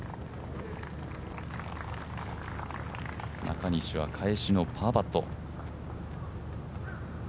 中西は返しのパーパット。